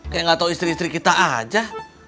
kayak nggak tahu istri istri kita aja